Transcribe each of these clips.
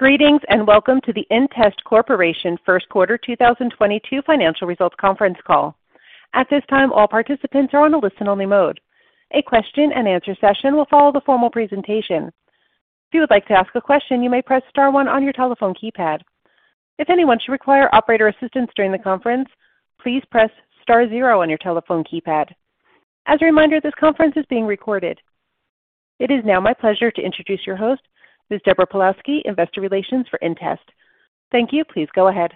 Greetings, and welcome to the inTEST Corporation Q1 2022 Financial Results Conference Call. At this time, all participants are on a listen-only mode. A question-and-answer session will follow the formal presentation. If you would like to ask a question, you may press star one on your telephone keypad. If anyone should require operator assistance during the conference, please press star zero on your telephone keypad. As a reminder, this conference is being recorded. It is now my pleasure to introduce your host, Ms. Deborah Pawlowski, Investor Relations for inTEST. Thank you. Please go ahead.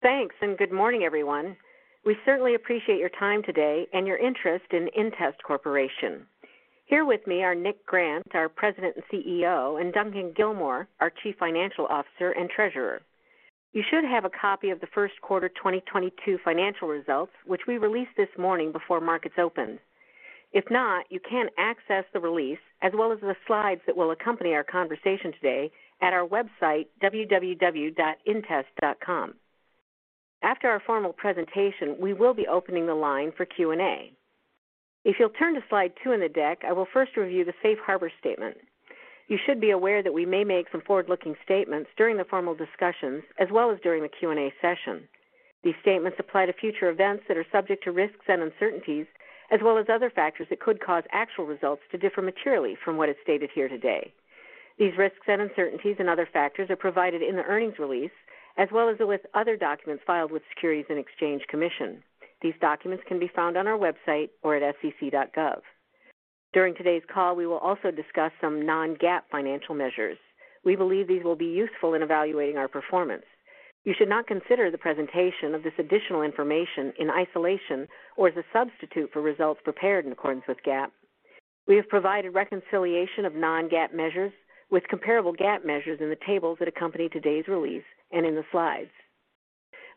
Thanks, and good morning, everyone. We certainly appreciate your time today and your interest in inTEST Corporation. Here with me are Nick Grant, our President and CEO, and Duncan Gilmour, our Chief Financial Officer and Treasurer. You should have a copy of the Q1 2022 financial results, which we released this morning before markets opened. If not, you can access the release, as well as the slides that will accompany our conversation today, at our website, www.intest.com. After our formal presentation, we will be opening the line for Q&A. If you'll turn to slide 2 in the deck, I will first review the Safe Harbor statement. You should be aware that we may make some forward-looking statements during the formal discussions as well as during the Q&A session. These statements apply to future events that are subject to risks and uncertainties as well as other factors that could cause actual results to differ materially from what is stated here today. These risks and uncertainties and other factors are provided in the earnings release as well as with other documents filed with Securities and Exchange Commission. These documents can be found on our website or at sec.gov. During today's call, we will also discuss some non-GAAP financial measures. We believe these will be useful in evaluating our performance. You should not consider the presentation of this additional information in isolation or as a substitute for results prepared in accordance with GAAP. We have provided reconciliation of non-GAAP measures with comparable GAAP measures in the tables that accompany today's release and in the slides.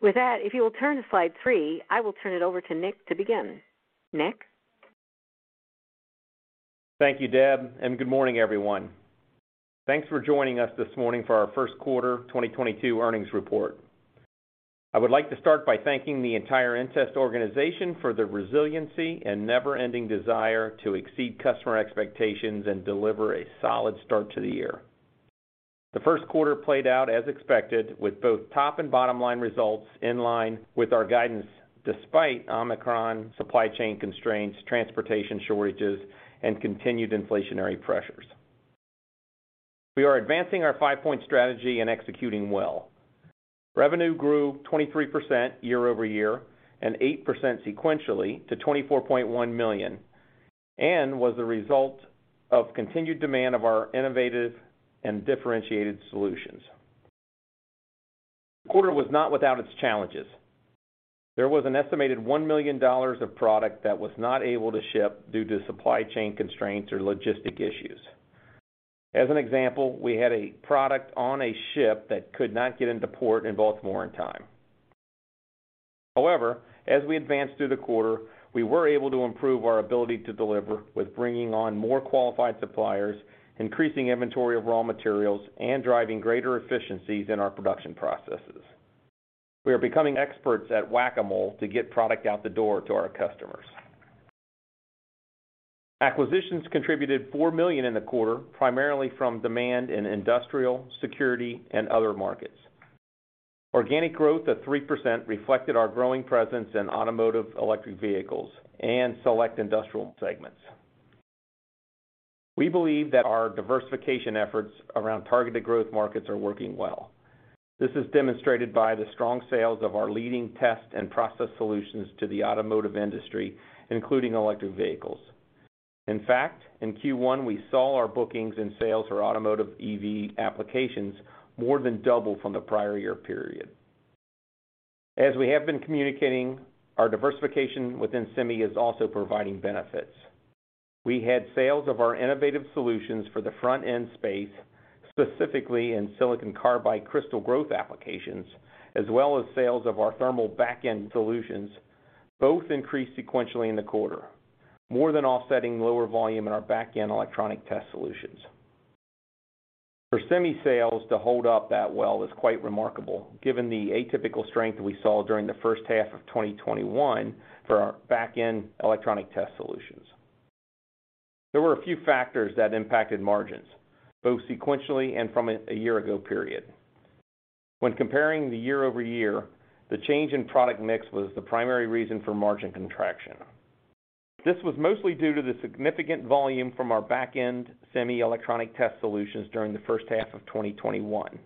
With that, if you will turn to slide 3, I will turn it over to Nick to begin. Nick? Thank you, Deb, and good morning, everyone. Thanks for joining us this morning for our Q1 2022 earnings report. I would like to start by thanking the entire inTEST organization for their resiliency and never-ending desire to exceed customer expectations and deliver a solid start to the year. The Q1 played out as expected, with both top and bottom line results in line with our guidance despite Omicron supply chain constraints, transportation shortages, and continued inflationary pressures. We are advancing our five-point strategy and executing well. Revenue grew 23% year over year and 8% sequentially to $24.1 million, and was the result of continued demand of our innovative and differentiated solutions. The quarter was not without its challenges. There was an estimated $1 million of product that was not able to ship due to supply chain constraints or logistic issues. As an example, we had a product on a ship that could not get into port in Baltimore in time. However, as we advanced through the quarter, we were able to improve our ability to deliver with bringing on more qualified suppliers, increasing inventory of raw materials, and driving greater efficiencies in our production processes. We are becoming experts at Whac-A-Mole to get product out the door to our customers. Acquisitions contributed $4 million in the quarter, primarily from demand in industrial, security, and other markets. Organic growth of 3% reflected our growing presence in automotive electric vehicles and select industrial segments. We believe that our diversification efforts around targeted growth markets are working well. This is demonstrated by the strong sales of our leading test and process solutions to the automotive industry, including electric vehicles. In fact, in Q1, we saw our bookings and sales for automotive EV applications more than double from the prior year period. As we have been communicating, our diversification within Semi is also providing benefits. We had sales of our innovative solutions for the front-end space, specifically in silicon carbide crystal growth applications, as well as sales of our thermal back-end solutions, both increased sequentially in the quarter, more than offsetting lower volume in our back-end electronic test solutions. For Semi sales to hold up that well is quite remarkable, given the atypical strength we saw during the H1 of 2021 for our back-end electronic test solutions. There were a few factors that impacted margins, both sequentially and from a year ago period. When comparing the year-over-year, the change in product mix was the primary reason for margin contraction. This was mostly due to the significant volume from our back-end semiconductor test solutions during the H1 of 2021.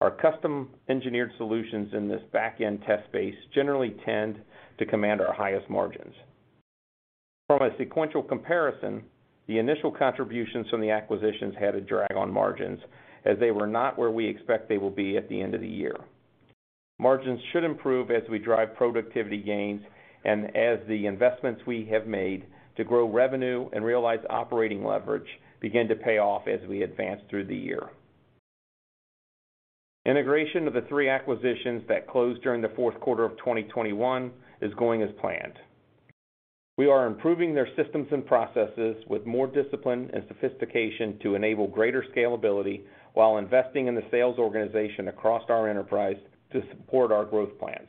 Our custom-engineered solutions in this back-end test space generally tend to command our highest margins. From a sequential comparison, the initial contributions from the acquisitions had a drag on margins, as they were not where we expect they will be at the end of the year. Margins should improve as we drive productivity gains and as the investments we have made to grow revenue and realize operating leverage begin to pay off as we advance through the year. Integration of the three acquisitions that closed during the Q4 of 2021 is going as planned. We are improving their systems and processes with more discipline and sophistication to enable greater scalability while investing in the sales organization across our enterprise to support our growth plans.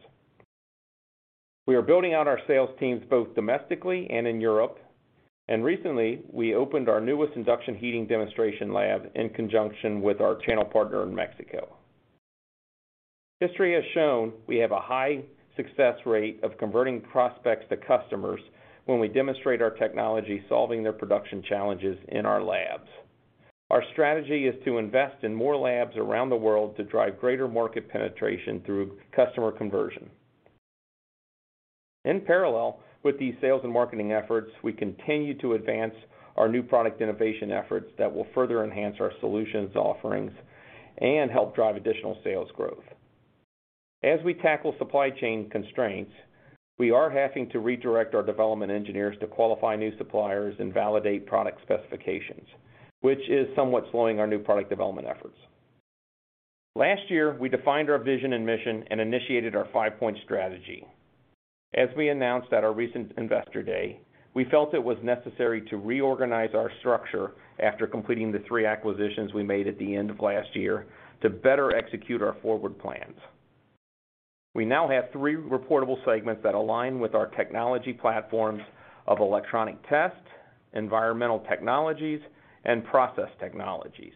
We are building out our sales teams both domestically and in Europe. Recently, we opened our newest induction heating demonstration lab in conjunction with our channel partner in Mexico. History has shown we have a high success rate of converting prospects to customers when we demonstrate our technology solving their production challenges in our labs. Our strategy is to invest in more labs around the world to drive greater market penetration through customer conversion. In parallel with these sales and marketing efforts, we continue to advance our new product innovation efforts that will further enhance our solutions offerings and help drive additional sales growth. As we tackle supply chain constraints, we are having to redirect our development engineers to qualify new suppliers and validate product specifications, which is somewhat slowing our new product development efforts. Last year, we defined our vision and mission and initiated our five-point strategy. As we announced at our recent Investor Day, we felt it was necessary to reorganize our structure after completing the three acquisitions we made at the end of last year to better execute our forward plans. We now have three reportable segments that align with our technology platforms of Electronic Test, Environmental Technologies, and Process Technologies.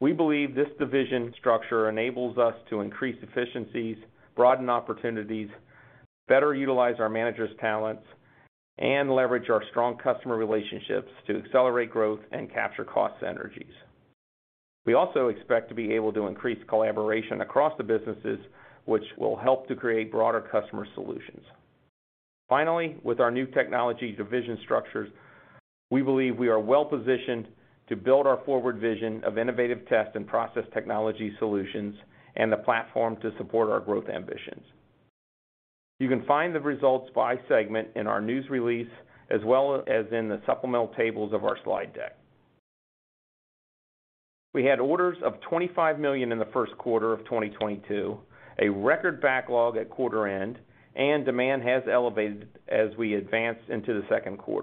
We believe this division structure enables us to increase efficiencies, broaden opportunities, better utilize our managers' talents, and leverage our strong customer relationships to accelerate growth and capture cost synergies. We also expect to be able to increase collaboration across the businesses, which will help to create broader customer solutions. Finally, with our new technology division structures, we believe we are well-positioned to build our forward vision of innovative test and process technology solutions and the platform to support our growth ambitions. You can find the results by segment in our news release, as well as in the supplemental tables of our slide deck. We had orders of $25 million in the Q1 of 2022, a record backlog at quarter end, and demand has elevated as we advance into the Q2.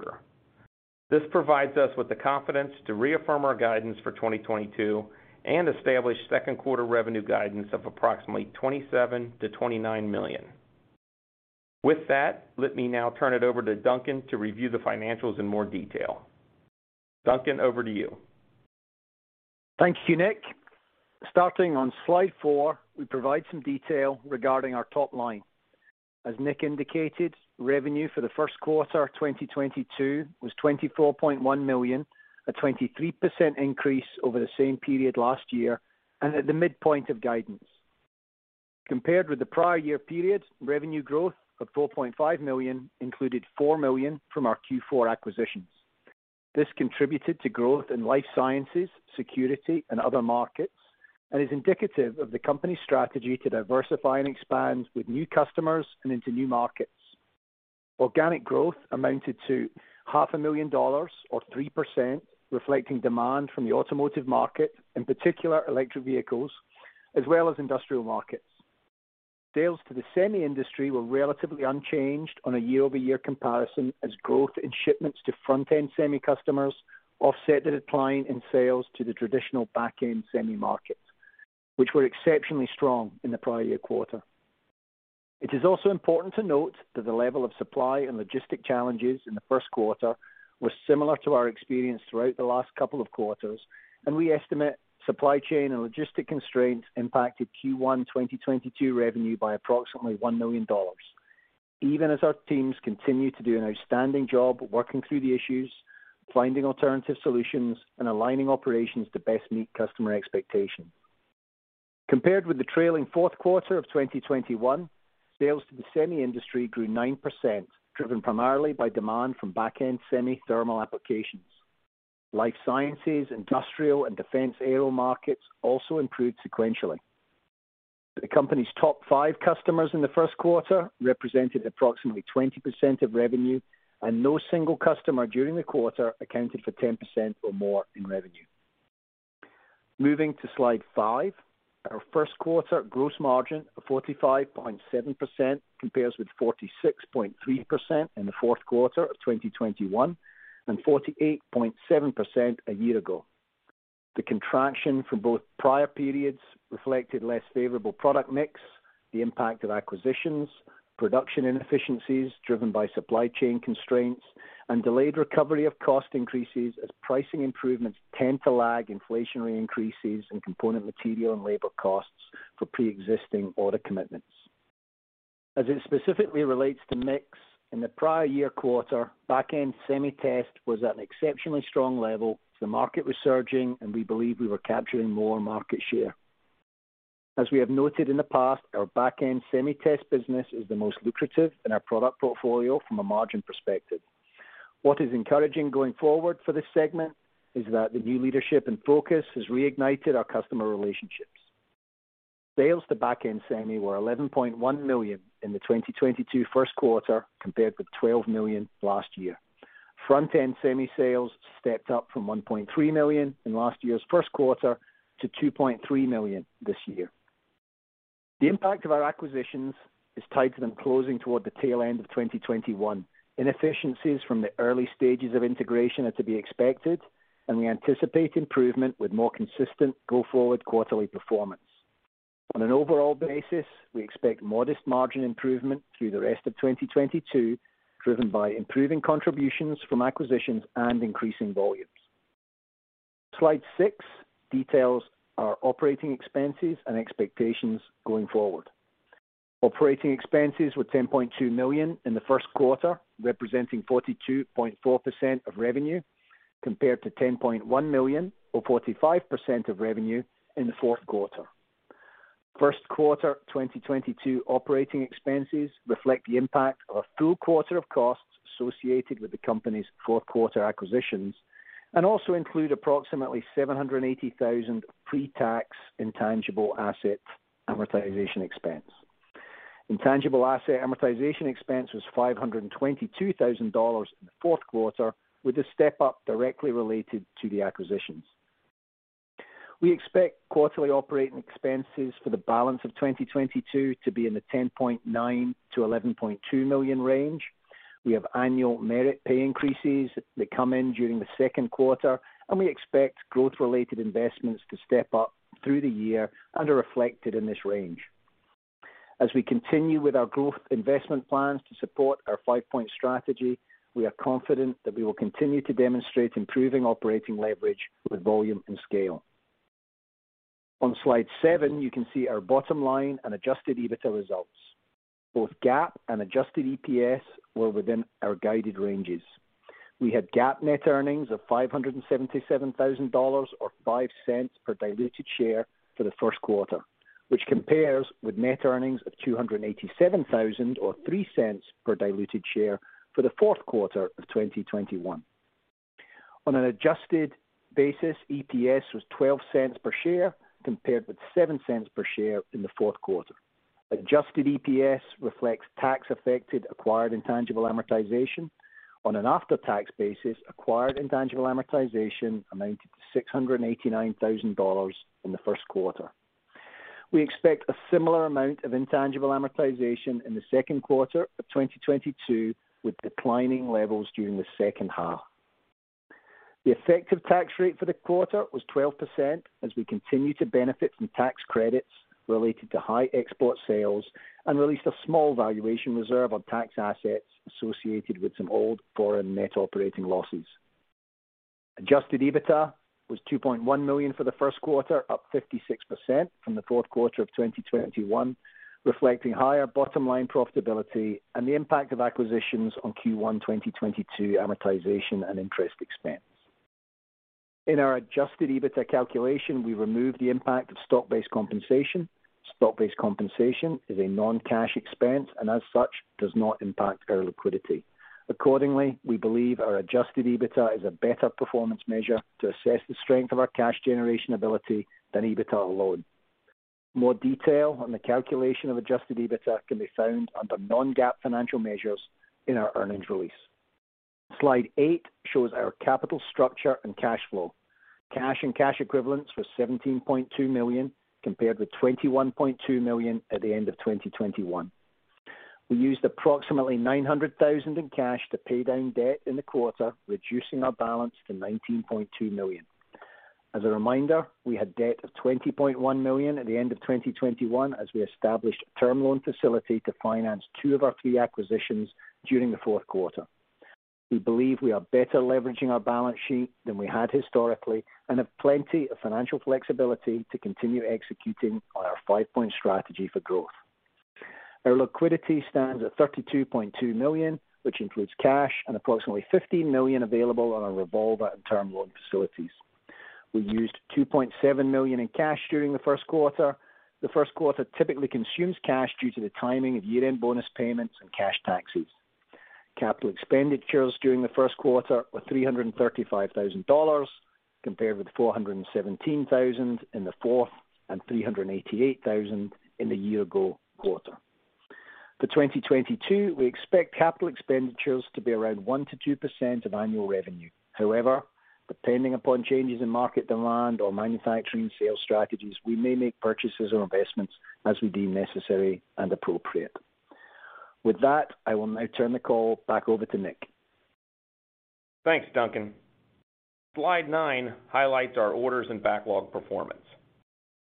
This provides us with the confidence to reaffirm our guidance for 2022 and establish Q2 revenue guidance of approximately $27 million-$29 million. With that, let me now turn it over to Duncan to review the financials in more detail. Duncan, over to you. Thank you, Nick. Starting on slide 4, we provide some detail regarding our top line. As Nick indicated, revenue for the Q1 2022 was $24.1 million, a 23% increase over the same period last year, and at the midpoint of guidance. Compared with the prior year period, revenue growth of $4.5 million included $4 million from our Q4 acquisitions. This contributed to growth in life sciences, security and other markets, and is indicative of the company's strategy to diversify and expand with new customers and into new markets. Organic growth amounted to $0.5 million Or 3%, reflecting demand from the automotive market, in particular electric vehicles, as well as industrial markets. Sales to the semi industry were relatively unchanged on a year-over-year comparison as growth in shipments to front-end semi customers offset the decline in sales to the traditional back-end semi markets, which were exceptionally strong in the prior year quarter. It is also important to note that the level of supply and logistic challenges in the Q1 was similar to our experience throughout the last couple of quarters, and we estimate supply chain and logistic constraints impacted Q1 2022 revenue by approximately $1 million, even as our teams continue to do an outstanding job working through the issues, finding alternative solutions, and aligning operations to best meet customer expectations. Compared with the trailing Q4 of 2021, sales to the semi industry grew 9%, driven primarily by demand from back-end semi thermal applications. Life sciences, industrial, and defense aero markets also improved sequentially. The company's top five customers in the Q1 represented approximately 20% of revenue, and no single customer during the quarter accounted for 10% or more in revenue. Moving to slide 5. Our Q1 gross margin of 45.7% compares with 46.3% in the Q4 of 2021 and 48.7% a year ago. The contraction from both prior periods reflected less favorable product mix, the impact of acquisitions, production inefficiencies driven by supply chain constraints, and delayed recovery of cost increases as pricing improvements tend to lag inflationary increases in component material and labor costs for pre-existing order commitments. As it specifically relates to mix, in the prior year quarter, back-end semi test was at an exceptionally strong level. The market was surging, and we believe we were capturing more market share. As we have noted in the past, our back-end semi test business is the most lucrative in our product portfolio from a margin perspective. What is encouraging going forward for this segment is that the new leadership and focus has reignited our customer relationships. Sales to back-end semi were $11.1 million in the 2022 Q1 compared with $12 million last year. Front-end semi sales stepped up from $1.3 million in last year's Q1 to $2.3 million this year. The impact of our acquisitions is tied to them closing toward the tail end of 2021. Inefficiencies from the early stages of integration are to be expected, and we anticipate improvement with more consistent go-forward quarterly performance. On an overall basis, we expect modest margin improvement through the rest of 2022, driven by improving contributions from acquisitions and increasing volumes. Slide 6 details our operating expenses and expectations going forward. Operating expenses were $10.2 million in the Q1, representing 42.4% of revenue, compared to $10.1 million or 45% of revenue in the Q4. Q1 2022 operating expenses reflect the impact of a full quarter of costs associated with the company's Q4 acquisitions, and also include approximately $780,000 pre-tax intangible asset amortization expense. Intangible asset amortization expense was $522,000 in the Q4, with a step up directly related to the acquisitions. We expect quarterly operating expenses for the balance of 2022 to be in the $10-$11.2 million range. We have annual merit pay increases that come in during the Q2, and we expect growth-related investments to step up through the year and are reflected in this range. As we continue with our growth investment plans to support our five-point strategy, we are confident that we will continue to demonstrate improving operating leverage with volume and scale. On slide 7, you can see our bottom line and adjusted EBITDA results. Both GAAP and adjusted EPS were within our guided ranges. We had GAAP net earnings of $577,000 or $0.05 per diluted share for the Q1, which compares with net earnings of $287,000 or $0.03 per diluted share for the Q4 of 2021. On an adjusted basis, EPS was $0.12 per share compared with $0.07 per share in the Q4. Adjusted EPS reflects tax-affected, acquired intangible amortization. On an after-tax basis, acquired intangible amortization amounted to $689,000 in the Q1. We expect a similar amount of intangible amortization in the Q2 of 2022, with declining levels during the H2. The effective tax rate for the quarter was 12% as we continue to benefit from tax credits related to high export sales and released a small valuation reserve on tax assets associated with some old foreign net operating losses. Adjusted EBITDA was $2.1 million for the Q1, up 56% from the Q4 of 2021, reflecting higher bottom line profitability and the impact of acquisitions on Q1 2022 amortization and interest expense. In our adjusted EBITDA calculation, we remove the impact of stock-based compensation. Stock-based compensation is a non-cash expense and as such does not impact our liquidity. Accordingly, we believe our adjusted EBITDA is a better performance measure to assess the strength of our cash generation ability than EBITDA alone. More detail on the calculation of adjusted EBITDA can be found under non-GAAP financial measures in our earnings release. Slide 8 shows our capital structure and cash flow. Cash and cash equivalents were $17.2 million compared with $21.2 million at the end of 2021. We used approximately $900,000 in cash to pay down debt in the quarter, reducing our balance to $19.2 million. As a reminder, we had debt of $20.1 million at the end of 2021 as we established a term loan facility to finance two of our three acquisitions during the fourth Q4. We believe we are better leveraging our balance sheet than we had historically and have plenty of financial flexibility to continue executing on our five-point strategy for growth. Our liquidity stands at $32.2 million, which includes cash and approximately $15 million available on our revolver and term loan facilities. We used $2.7 million in cash during the Q1. The Q1 typically consumes cash due to the timing of year-end bonus payments and cash taxes. Capital expenditures during the Q1 were $335 thousand compared with $417 thousand in the fourth and $388 thousand in the year ago quarter. For 2022, we expect capital expenditures to be around 1%-2% of annual revenue. However, depending upon changes in market demand or manufacturing sales strategies, we may make purchases or investments as we deem necessary and appropriate. With that, I will now turn the call back over to Nick. Thanks, Duncan. Slide nine highlights our orders and backlog performance.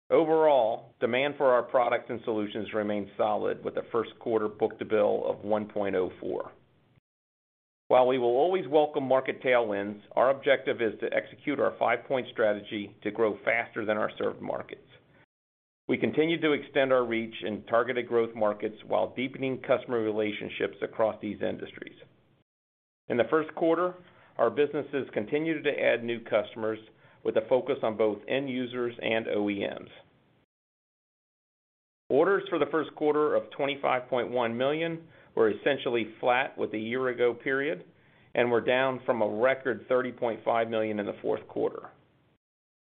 Overall, demand for our products and solutions remains solid with the Q1 book-to-bill of 1.04. While we will always welcome market tailwinds, our objective is to execute our five-point strategy to grow faster than our served markets. We continue to extend our reach in targeted growth markets while deepening customer relationships across these industries. In the Q1, our businesses continued to add new customers with a focus on both end users and OEMs. Orders for the Q1 of $25.1 million were essentially flat with the year ago period, and were down from a record $30.5 million in the Q4.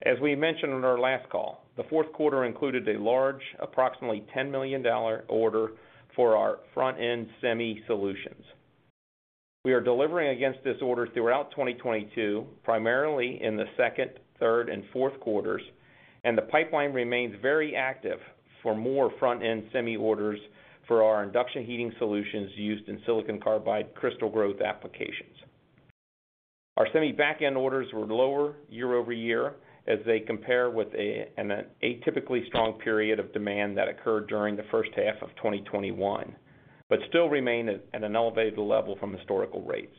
As we mentioned on our last call, the Q4 included a large approximately $10 million order for our front-end semi solutions. We are delivering against this order throughout 2022, primarily in the Q2, Q3, and Q4, and the pipeline remains very active for more front-end semi orders for our induction heating solutions used in silicon carbide crystal growth applications. Our semi back-end orders were lower year-over-year as they compare with an atypically strong period of demand that occurred during the H1 of 2021, but still remain at an elevated level from historical rates.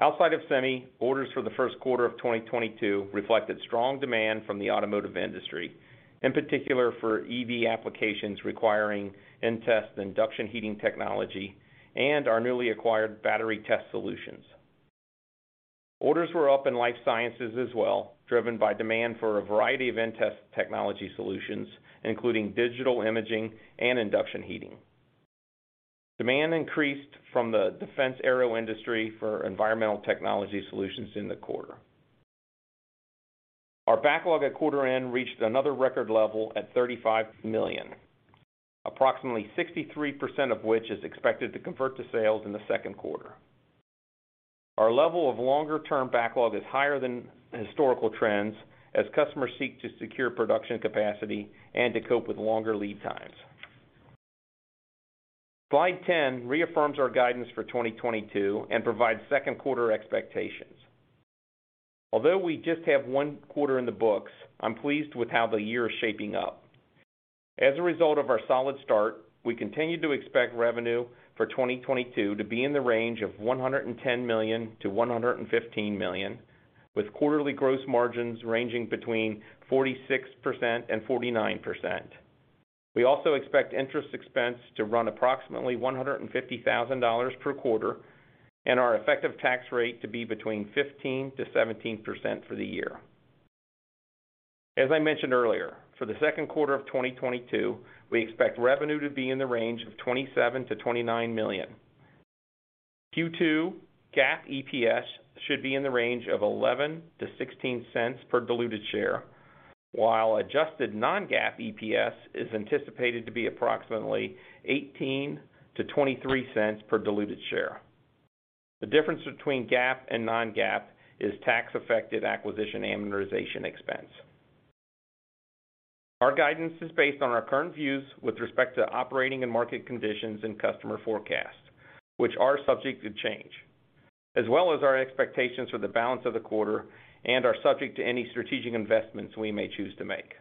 Outside of semi, orders for the Q1 of 2022 reflected strong demand from the automotive industry, in particular for EV applications requiring inTEST induction heating technology and our newly acquired battery test solutions. Orders were up in life sciences as well, driven by demand for a variety of inTEST technology solutions, including digital imaging and induction heating. Demand increased from the defense aero industry for environmental technology solutions in the quarter. Our backlog at quarter end reached another record level at $35 million, approximately 63% of which is expected to convert to sales in the Q2. Our level of longer-term backlog is higher than historical trends as customers seek to secure production capacity and to cope with longer lead times. Slide 10 reaffirms our guidance for 2022 and provides Q2 expectations. Although we just have one quarter in the books, I'm pleased with how the year is shaping up. As a result of our solid start, we continue to expect revenue for 2022 to be in the range of $110 million-$115 million, with quarterly gross margins ranging between 46% and 49%. We also expect interest expense to run approximately $150,000 per quarter, and our effective tax rate to be between 15%-17% for the year. As I mentioned earlier, for the Q2 of 2022, we expect revenue to be in the range of $27 million-$29 million. Q2 GAAP EPS should be in the range of $0.11-$0.16 cents per diluted share, while adjusted non-GAAP EPS is anticipated to be approximately $0.18-$0.23 cents per diluted share. The difference between GAAP and non-GAAP is tax-affected acquisition amortization expense. Our guidance is based on our current views with respect to operating and market conditions and customer forecasts, which are subject to change, as well as our expectations for the balance of the quarter and are subject to any strategic investments we may choose to make.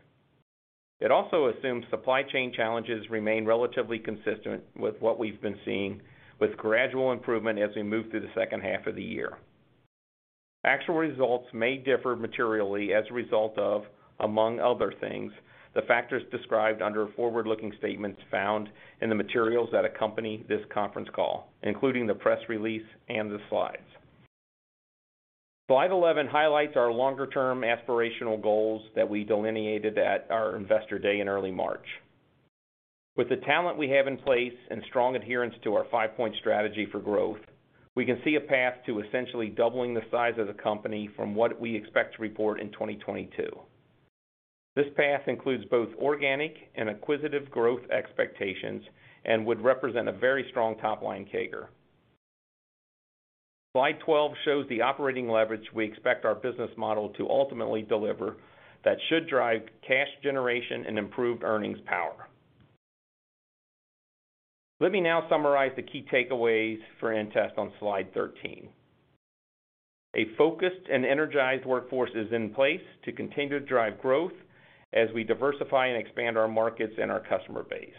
It also assumes supply chain challenges remain relatively consistent with what we've been seeing, with gradual improvement as we move through the H2 of the year. Actual results may differ materially as a result of, among other things, the factors described under forward-looking statements found in the materials that accompany this conference call, including the press release and the slides. Slide 11 highlights our longer-term aspirational goals that we delineated at our Investor Day in early March. With the talent we have in place and strong adherence to our five-point strategy for growth, we can see a path to essentially doubling the size of the company from what we expect to report in 2022. This path includes both organic and acquisitive growth expectations and would represent a very strong top-line CAGR. Slide twelve shows the operating leverage we expect our business model to ultimately deliver that should drive cash generation and improved earnings power. Let me now summarize the key takeaways for inTEST on slide 13. A focused and energized workforce is in place to continue to drive growth as we diversify and expand our markets and our customer base.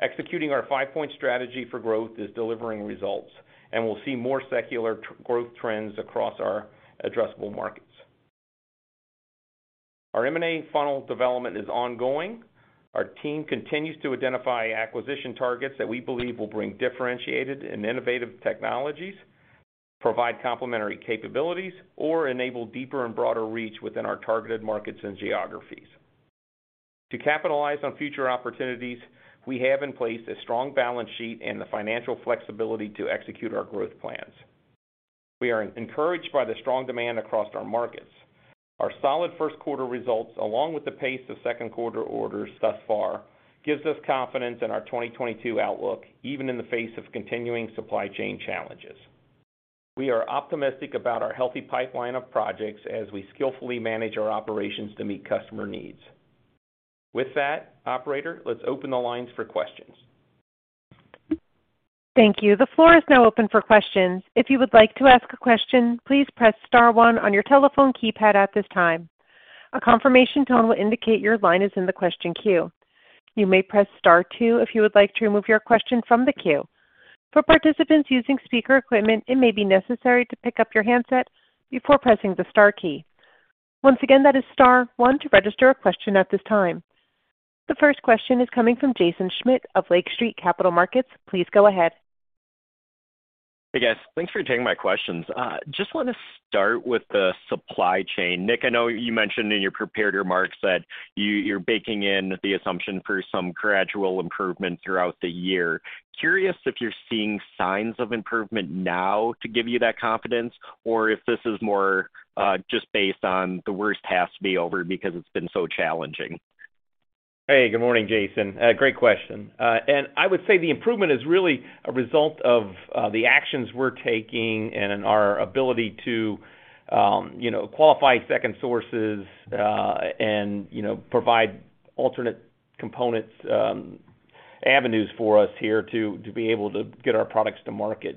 Executing our five-point strategy for growth is delivering results, and we'll see more secular growth trends across our addressable markets. Our M&A funnel development is ongoing. Our team continues to identify acquisition targets that we believe will bring differentiated and innovative technologies, provide complementary capabilities, or enable deeper and broader reach within our targeted markets and geographies. To capitalize on future opportunities, we have in place a strong balance sheet and the financial flexibility to execute our growth plans. We are encouraged by the strong demand across our markets. Our solid Q1 results, along with the pace of Q2 orders thus far, gives us confidence in our 2022 outlook, even in the face of continuing supply chain challenges. We are optimistic about our healthy pipeline of projects as we skillfully manage our operations to meet customer needs. With that, operator, let's open the lines for questions. Thank you. The floor is now open for questions. If you would like to ask a question, please press star one on your telephone keypad at this time. A confirmation tone will indicate your line is in the question queue. You may press star two if you would like to remove your question from the queue. For participants using speaker equipment, it may be necessary to pick up your handset before pressing the star key. Once again, that is star one to register a question at this time. The first question is coming from Jaeson Schmidt of Lake Street Capital Markets. Please go ahead. Hey, guys. Thanks for taking my questions. Just want to start with the supply chain. Nick, I know you mentioned in your prepared remarks that you're baking in the assumption for some gradual improvement throughout the year. Curious if you're seeing signs of improvement now to give you that confidence, or if this is more just based on the worst has to be over because it's been so challenging. Hey, good morning, Jaeson. Great question. I would say the improvement is really a result of the actions we're taking and our ability to, you know, qualify second sources, and, you know, provide alternate components, avenues for us here to be able to get our products to market.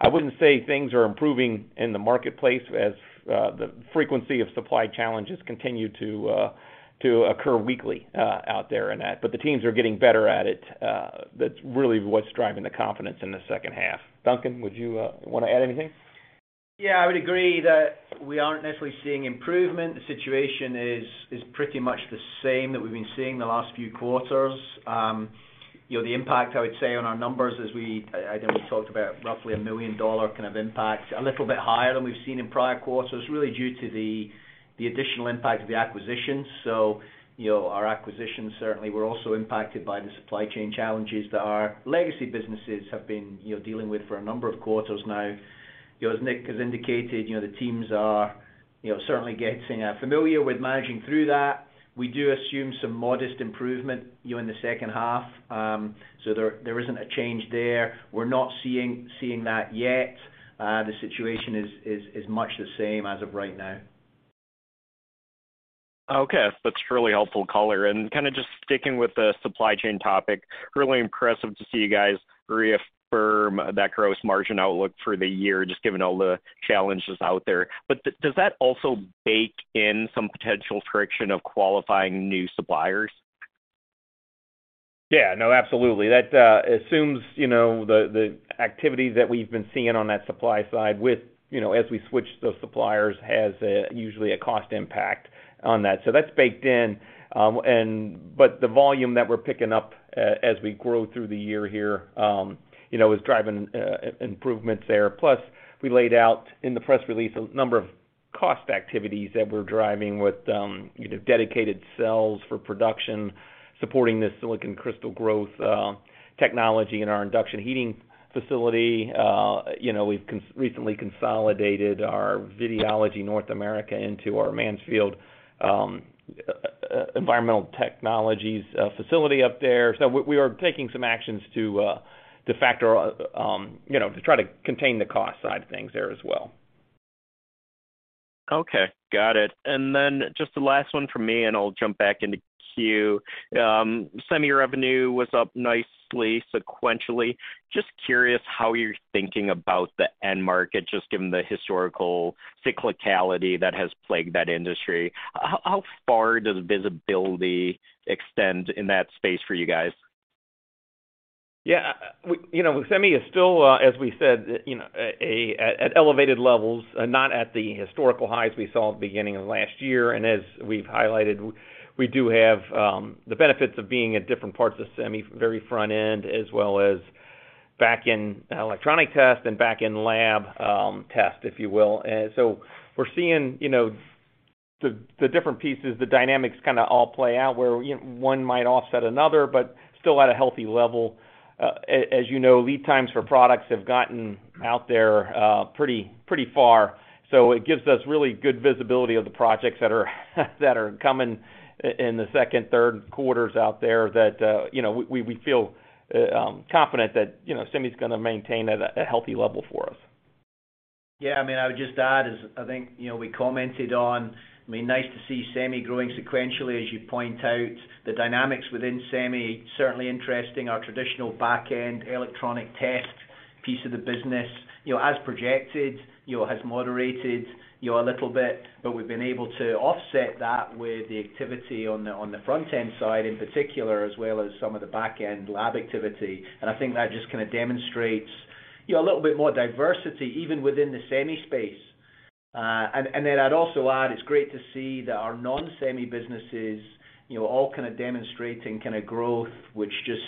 I wouldn't say things are improving in the marketplace as the frequency of supply challenges continue to occur weekly out there in that, but the teams are getting better at it. That's really what's driving the confidence in the H2. Duncan, would you wanna add anything? Yeah, I would agree that we aren't necessarily seeing improvement. The situation is pretty much the same that we've been seeing the last few quarters. You know, the impact I would say on our numbers I think we talked about roughly $1 million kind of impact, a little bit higher than we've seen in prior quarters, really due to the additional impact of the acquisitions. You know, our acquisitions certainly were also impacted by the supply chain challenges that our legacy businesses have been, you know, dealing with for a number of quarters now. You know, as Nick has indicated, you know, the teams are, you know, certainly getting familiar with managing through that. We do assume some modest improvement, you know, in the H2. There isn't a change there. We're not seeing that yet. The situation is much the same as of right now. Okay. That's really helpful color. Kinda just sticking with the supply chain topic, really impressive to see you guys reaffirm that gross margin outlook for the year, just given all the challenges out there. Does that also bake in some potential friction of qualifying new suppliers? Yeah, no, absolutely. That assumes, you know, the activities that we've been seeing on that supply side with, you know, as we switch those suppliers has a usually a cost impact on that. So that's baked in. But the volume that we're picking up as we grow through the year here, you know, is driving improvements there. Plus, we laid out in the press release a number of cost activities that we're driving with, you know, dedicated sales for production, supporting the silicon crystal growth technology in our induction heating facility. You know, we've recently consolidated our Videology North America into our Mansfield Environmental Technologies facility up there. So we are taking some actions to try to contain the cost side of things there as well. Okay. Got it. Just the last one from me, and I'll jump back into queue. Semi revenue was up nicely sequentially. Just curious how you're thinking about the end market, just given the historical cyclicality that has plagued that industry. How far does visibility extend in that space for you guys? Yeah, you know, semi is still, as we said, you know, at elevated levels, not at the historical highs we saw at the beginning of last year. As we've highlighted, we do have the benefits of being at different parts of semi, very front end, as well as back in Electronic Test and back in lab test, if you will. We're seeing, you know, the different pieces, the dynamics kinda all play out where one might offset another, but still at a healthy level. As you know, lead times for products have gotten out there pretty far. It gives us really good visibility of the projects that are coming in the second, Q3 out there that you know we feel confident that you know semi is gonna maintain at a healthy level for us. Yeah, I mean, I would just add is I think, you know, we commented on, I mean, nice to see semi growing sequentially, as you point out. The dynamics within semi, certainly interesting. Our traditional back-end Electronic Test piece of the business, you know, as projected, you know, has moderated, you know, a little bit, but we've been able to offset that with the activity on the front-end side in particular, as well as some of the back-end lab activity. I think that just kinda demonstrates, you know, a little bit more diversity even within the semi space. I'd also add, it's great to see that our non-semi businesses, you know, all kinda demonstrating kinda growth, which just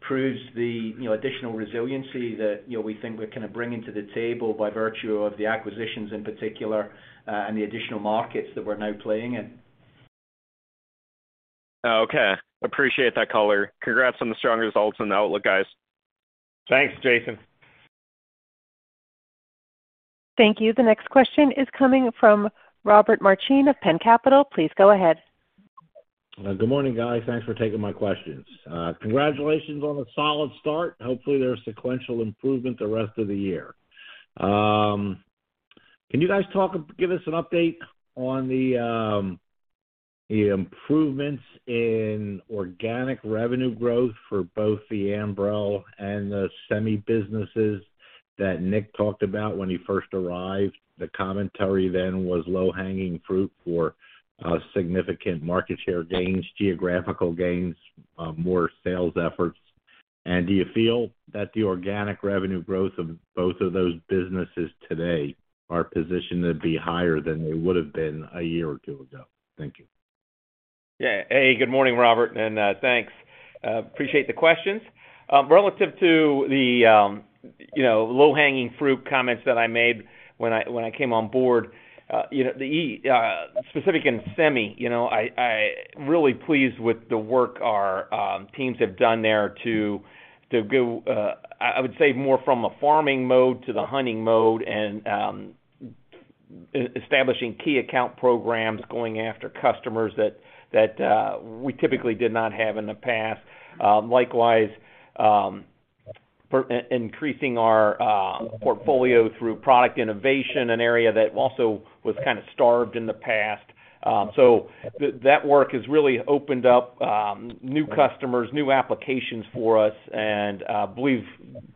proves the, you know, additional resiliency that, you know, we think we're kinda bringing to the table by virtue of the acquisitions in particular, and the additional markets that we're now playing in. Okay. Appreciate that color. Congrats on the strong results and the outlook, guys. Thanks, Jaeson. Thank you. The next question is coming from Robert Marcin of Penn Capital. Please go ahead. Good morning, guys. Thanks for taking my questions. Congratulations on the solid start. Hopefully, there's sequential improvement the rest of the year. Can you guys give us an update on the improvements in organic revenue growth for both the Ambrell and the semi businesses that Nick talked about when he first arrived? The commentary then was low-hanging fruit for, significant market share gains, geographical gains, more sales efforts. Do you feel that the organic revenue growth of both of those businesses today are positioned to be higher than they would have been a year or two ago? Thank you. Yeah. Hey, good morning, Robert, and thanks. Appreciate the questions. Relative to the you know, low-hanging fruit comments that I made when I came on board, you know, the specific in semi, you know, I'm really pleased with the work our teams have done there to go, I would say more from a farming mode to the hunting mode and establishing key account programs, going after customers that we typically did not have in the past. Likewise, for increasing our portfolio through product innovation, an area that also was kind of starved in the past. That work has really opened up new customers, new applications for us and I believe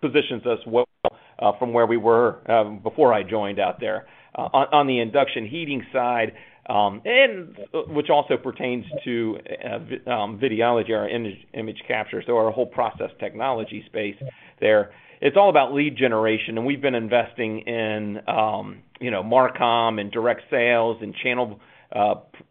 positions us well from where we were before I joined out there. On the induction heating side, and which also pertains to Videology, our image capture, so our whole process technology space there. It's all about lead generation, and we've been investing in, you know, MarCom and direct sales and channel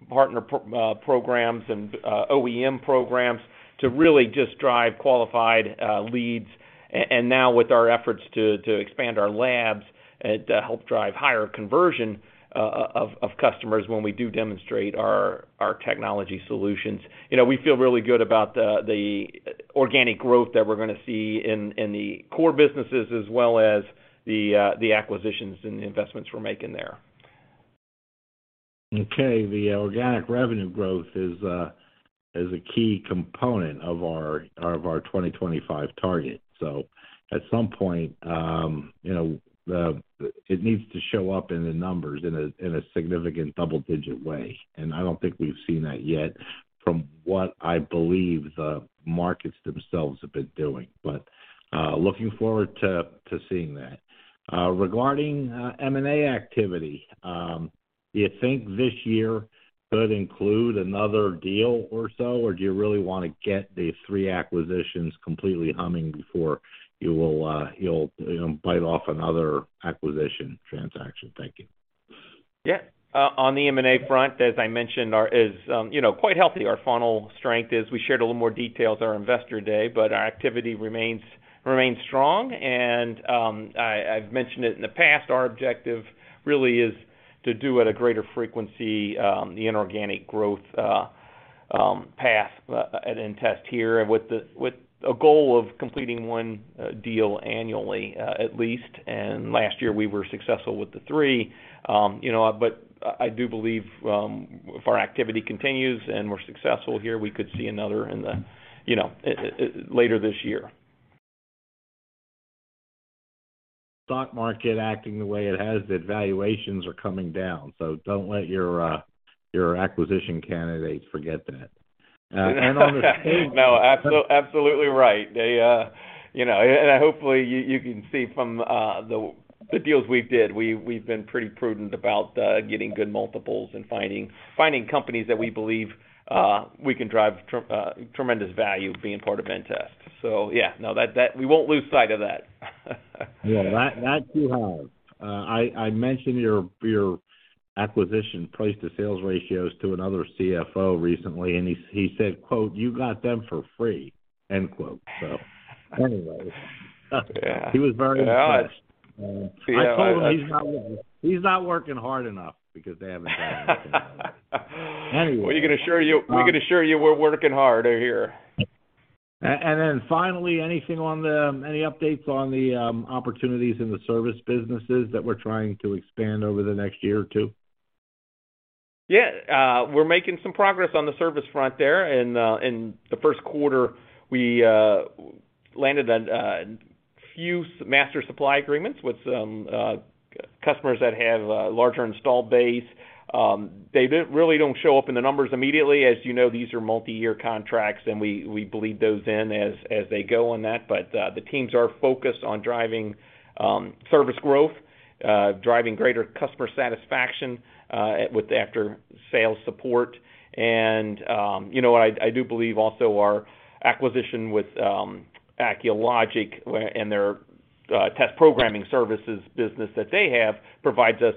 partner programs and OEM programs to really just drive qualified leads. And now with our efforts to expand our labs to help drive higher conversion of customers when we do demonstrate our technology solutions. You know, we feel really good about the organic growth that we're gonna see in the core businesses as well as the acquisitions and the investments we're making there. Okay. The organic revenue growth is a key component of our 2025 target. At some point, you know, it needs to show up in the numbers in a significant double-digit way, and I don't think we've seen that yet from what I believe the markets themselves have been doing. Looking forward to seeing that. Regarding M&A activity, do you think this year could include another deal or so, or do you really wanna get these three acquisitions completely humming before you'll, you know, bite off another acquisition transaction? Thank you. Yeah. On the M&A front, as I mentioned, our funnel strength is quite healthy. Our funnel strength is. We shared a little more details at our Investor Day, but our activity remains strong and, I've mentioned it in the past, our objective really is to do at a greater frequency, the inorganic growth path at inTEST here with a goal of completing one deal annually, at least. Last year we were successful with the three. But I do believe, if our activity continues and we're successful here, we could see another one later this year. Stock market acting the way it has, the valuations are coming down, so don't let your acquisition candidates forget that. No, absolutely right. They, you know, and hopefully you can see from the deals we did, we've been pretty prudent about getting good multiples and finding companies that we believe we can drive tremendous value being part of inTEST. Yeah, no, that we won't lose sight of that. Yeah. That you have. I mentioned your acquisition price to sales ratios to another CFO recently and he said, quote, "You got them for free." End quote. Anyways. Yeah. He was very impressed. Yeah. I told him he's not working hard enough because they haven't done that. Anyway. We can assure you we're working hard here. Finally, any updates on the opportunities in the service businesses that we're trying to expand over the next year or two? Yeah. We're making some progress on the service front there. In the Q1, we landed a few master supply agreements with some customers that have a larger installed base. They don't really show up in the numbers immediately. As you know, these are multi-year contracts and we bleed those in as they go on. The teams are focused on driving service growth, driving greater customer satisfaction with after sales support. You know, I do believe also our acquisition of Acculogic and their test programming services business that they have provides us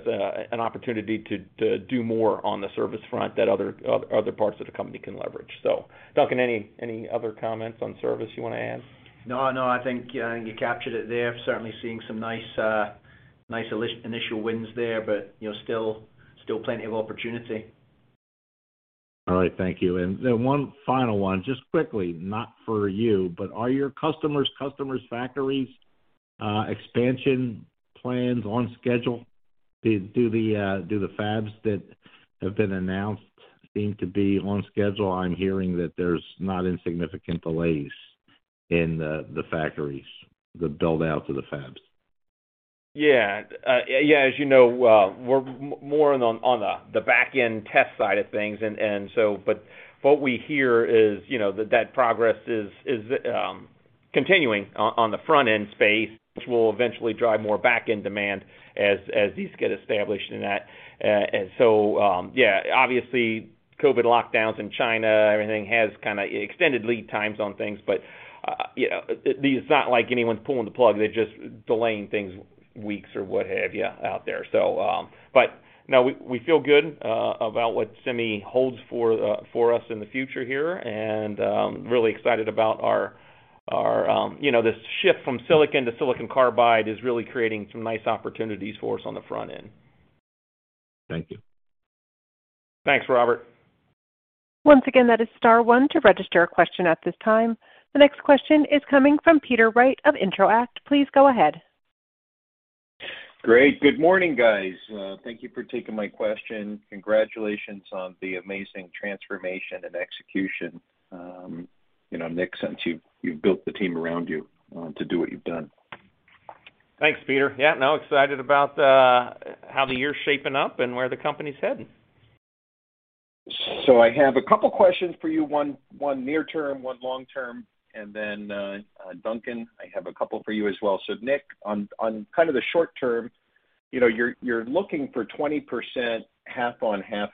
an opportunity to do more on the service front that other parts of the company can leverage. Duncan, any other comments on service you wanna add? No, no. I think you captured it there. Certainly seeing some nice initial wins there, but you know, still plenty of opportunity. All right. Thank you. Then one final one, just quickly, not for you. Are your customers' factories expansion plans on schedule? Do the fabs that have been announced seem to be on schedule? I'm hearing that there's not insignificant delays in the factories, the build-out to the fabs. Yeah, as you know, we're more on the back-end test side of things, but what we hear is, you know, that progress is continuing on the front-end space, which will eventually drive more back-end demand as these get established in that. Obviously, COVID lockdowns in China, everything has kinda extended lead times on things, but yeah, it's not like anyone's pulling the plug, they're just delaying things weeks or what have you out there. We feel good about what semi holds for us in the future here, and really excited about our, you know, this shift from silicon to silicon carbide is really creating some nice opportunities for us on the front end. Thank you. Thanks, Robert. Once again, that is star one to register a question at this time. The next question is coming from Peter Wright of Intro-act. Please go ahead. Great. Good morning, guys. Thank you for taking my question. Congratulations on the amazing transformation and execution, you know, Nick, since you've built the team around you, to do what you've done. Thanks, Peter. Yeah, no, excited about the how the year's shaping up and where the company's heading. I have a couple questions for you, one near term, one long term, and then, Duncan, I have a couple for you as well. Nick, on kind of the short term, you know, you're looking for 20% half-on-half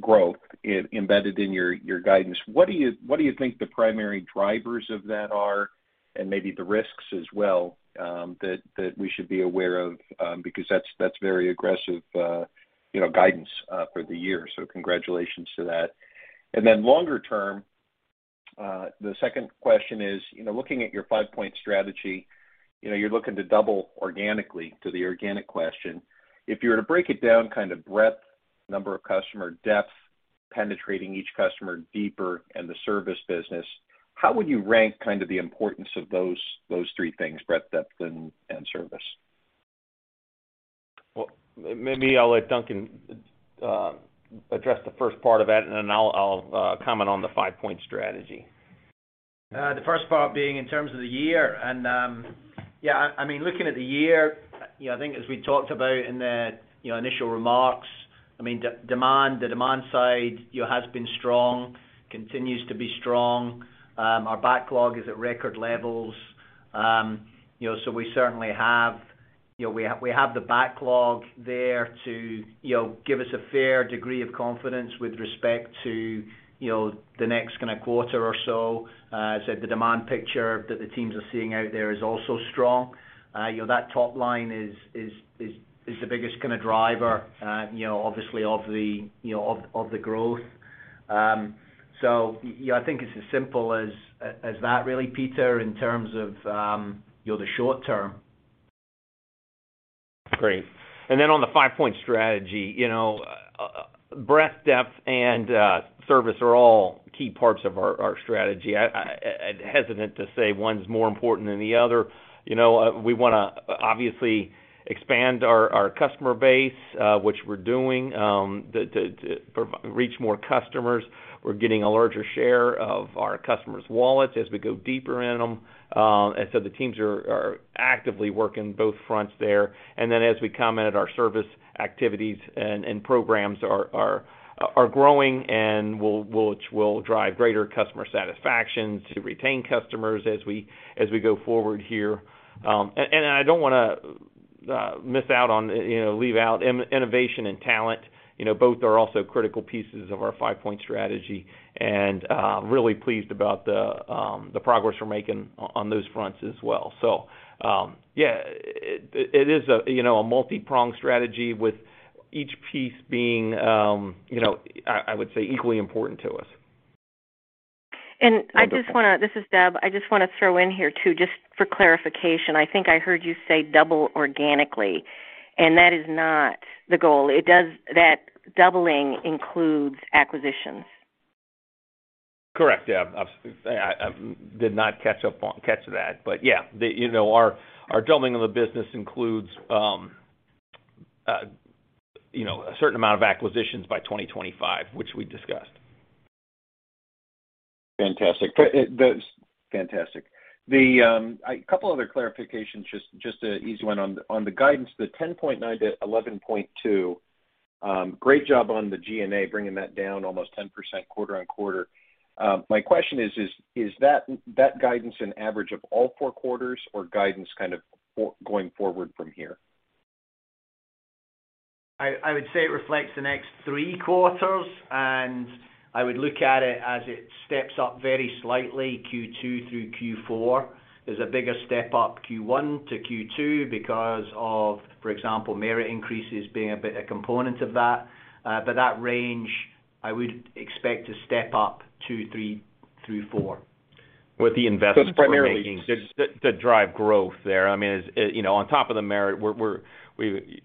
growth embedded in your guidance. What do you think the primary drivers of that are, and maybe the risks as well, that we should be aware of, because that's very aggressive, you know, guidance for the year, so congratulations to that. Then longer term, the second question is, you know, looking at your five-point strategy, you know, you're looking to double organically to the organic question. If you were to break it down kind of breadth, number of customer depth, penetrating each customer deeper in the service business, how would you rank kind of the importance of those three things: breadth, depth, and service? Well, maybe I'll let Duncan address the first part of that, and then I'll comment on the five-point strategy. The first part being in terms of the year, and, yeah, I mean, looking at the year, you know, I think as we talked about in the, you know, initial remarks, I mean, demand, the demand side, you know, has been strong, continues to be strong. Our backlog is at record levels. You know, so we certainly have, you know, we have the backlog there to, you know, give us a fair degree of confidence with respect to, you know, the next kind of quarter or so. So the demand picture that the teams are seeing out there is also strong. You know, that top line is the biggest kind of driver, you know, obviously of the, you know, of the growth. You know, I think it's as simple as that really, Peter, in terms of you know, the short term. Great. Then on the five-point strategy, you know, breadth, depth, and service are all key parts of our strategy. I hesitant to say one's more important than the other. You know, we wanna obviously expand our customer base, which we're doing, to reach more customers. We're getting a larger share of our customers' wallets as we go deeper in them. The teams are actively working both fronts there. Then as we commented, our service activities and programs are growing and will, which will drive greater customer satisfaction to retain customers as we go forward here. I don't wanna miss out on, you know, leave out innovation and talent. You know, both are also critical pieces of our five-point strategy, and really pleased about the progress we're making on those fronts as well. Yeah, it is a, you know, a multi-pronged strategy with each piece being, you know, I would say equally important to us. This is Deb. I just wanna throw in here too, just for clarification. I think I heard you say double organically, and that is not the goal. That doubling includes acquisitions. Correct. Yeah. Did not catch that. Yeah, you know, our doubling of the business includes, you know, a certain amount of acquisitions by 2025, which we discussed. That's fantastic. A couple other clarifications, just an easy one on the guidance, the 10.9-11.2, great job on the G&A, bringing that down almost 10% quarter-over-quarter. My question is that guidance an average of all four quarters or guidance kind of going forward from here? I would say it reflects the next three quarters, and I would look at it as it steps up very slightly, Q2 through Q4. There's a bigger step up Q1-Q2 because of, for example, merit increases being a bit of a component of that. That range I would expect to step up Q2, Q3 through Q4. With the investments we're making. Primarily- To drive growth there. I mean, it's, you know, on top of the merit, we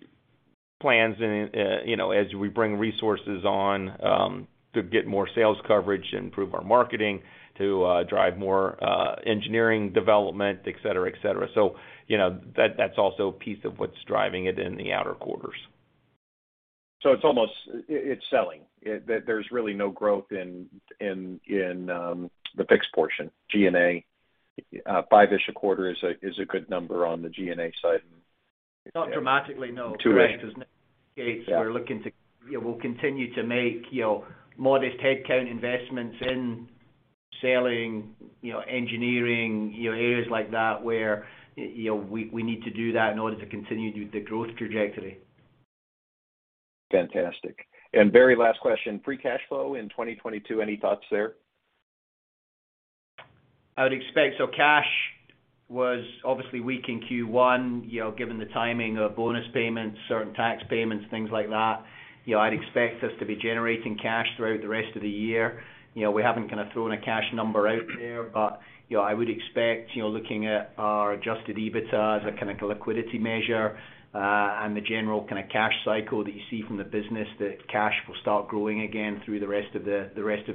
plan and, you know, as we bring resources on, to get more sales coverage, improve our marketing to, drive more, engineering development, et cetera, et cetera. You know, that's also a piece of what's driving it in the outer quarters. It's selling. There's really no growth in the fixed portion, G&A. $5-ish a quarter is a good number on the G&A side. Not dramatically, no. Two-ish. Right. As Nick indicates- Yeah. You know, we'll continue to make, you know, modest headcount investments in selling, you know, engineering, you know, areas like that where you know, we need to do that in order to continue to the growth trajectory. Fantastic. Very last question, free cash flow in 2022, any thoughts there? I would expect. Cash was obviously weak in Q1, you know, given the timing of bonus payments, certain tax payments, things like that. You know, I'd expect us to be generating cash throughout the rest of the year. You know, we haven't kind of thrown a cash number out there, but, you know, I would expect, you know, looking at our adjusted EBITDA as a kind of a liquidity measure, and the general kind of cash cycle that you see from the business, that cash will start growing again through the rest of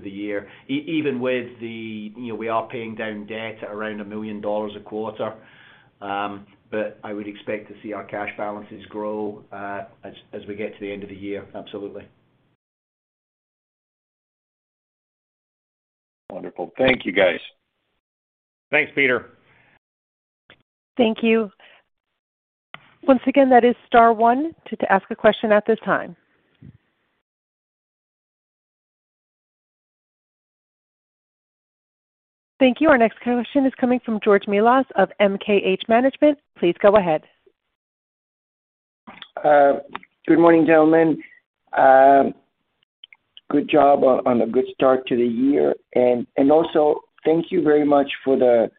the year. Even with the, you know, we are paying down debt at around $1 million a quarter. But I would expect to see our cash balances grow, as we get to the end of the year. Absolutely. Wonderful. Thank you, guys. Thanks, Peter. Thank you. Once again, that is star one to ask a question at this time. Thank you. Our next question is coming from George Melas of MKH Management. Please go ahead. Good morning, gentlemen. Good job on a good start to the year. Also thank you very much for the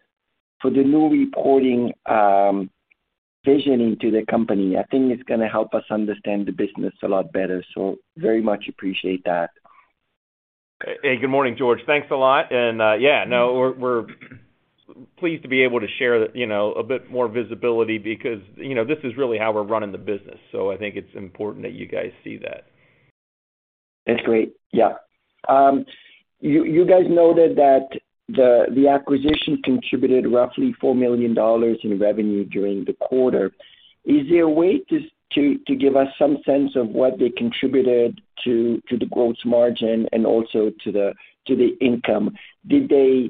new reporting vision into the company. I think it's gonna help us understand the business a lot better, so very much appreciate that. Hey, good morning, George. Thanks a lot. Yeah, no, we're pleased to be able to share, you know, a bit more visibility because, you know, this is really how we're running the business, so I think it's important that you guys see that. That's great. Yeah. You guys noted that the acquisition contributed roughly $4 million in revenue during the quarter. Is there a way to give us some sense of what they contributed to the gross margin and also to the income? Did they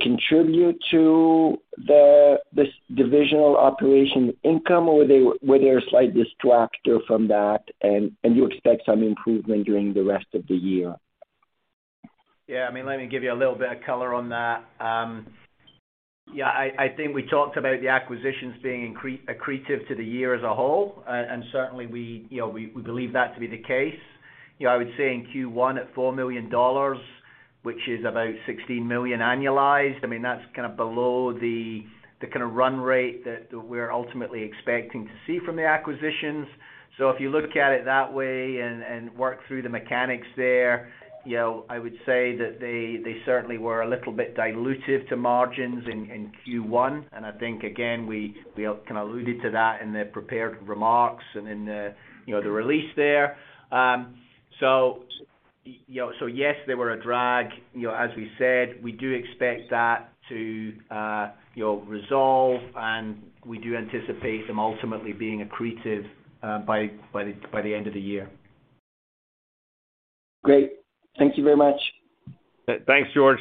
contribute to this divisional operating income or were they a slight distractor from that and you expect some improvement during the rest of the year? Yeah. I mean, let me give you a little bit of color on that. Yeah, I think we talked about the acquisitions being accretive to the year as a whole. And certainly we, you know, we believe that to be the case. You know, I would say in Q1 at $4 million, which is about $16 million annualized. I mean, that's kind of below the kind of run rate that we're ultimately expecting to see from the acquisitions. If you look at it that way and work through the mechanics there, you know, I would say that they certainly were a little bit dilutive to margins in Q1 and I think, again, we kind of alluded to that in the prepared remarks and in the release there. Yes, they were a drag. You know, as we said, we do expect that to you know resolve, and we do anticipate them ultimately being accretive, by the end of the year. Great. Thank you very much. Thanks, George.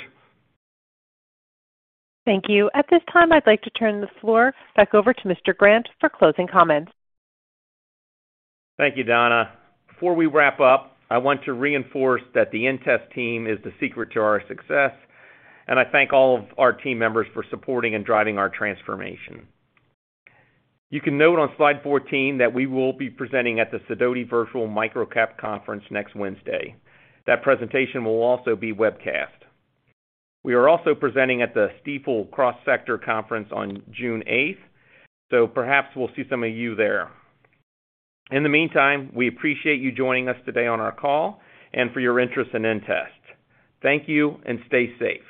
Thank you. At this time, I'd like to turn the floor back over to Mr. Grant for closing comments. Thank you, Donna. Before we wrap up, I want to reinforce that the inTEST team is the secret to our success, and I thank all of our team members for supporting and driving our transformation. You can note on slide 14 that we will be presenting at the Sidoti Micro-Cap Virtual Conference next Wednesday. That presentation will also be webcast. We are also presenting at the Stifel Cross Sector Insight Conference on June 8th, so perhaps we'll see some of you there. In the meantime, we appreciate you joining us today on our call and for your interest in inTEST. Thank you, and stay safe.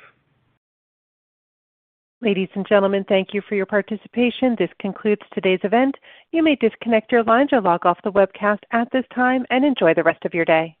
Ladies and gentlemen, thank you for your participation. This concludes today's event. You may disconnect your lines or log off the webcast at this time, and enjoy the rest of your day.